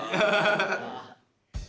ハハハハ。